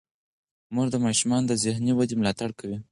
مور د ماشومانو د ذهني ودې ملاتړ کوي.